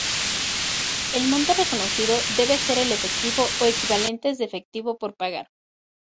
El monto reconocido debe ser el efectivo o equivalentes de efectivo por pagar.